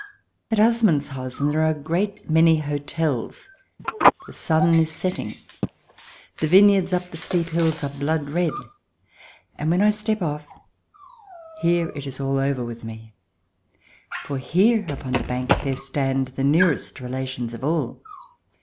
At Assmanshausen there are a great many hotels. i6 THE DESIRABLE ALIEN [ch. i The sun is setting ; the vineyards up the steep hills are blood red. And when I step off here it is all oVer with me. For here upon the bank there stand the nearest relations of all.